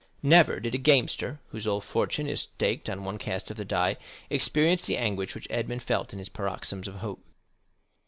Never did a gamester, whose whole fortune is staked on one cast of the die, experience the anguish which Edmond felt in his paroxysms of hope.